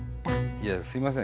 いやすいません。